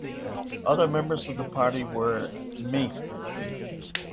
Other members of the party were Mme.